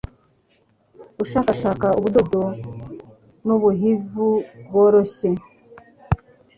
Ashakashaka ubudodo n’ubuhivu bworoshye